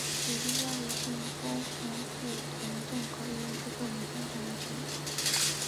有些家族性高醛固酮症可用地塞米松进行治疗。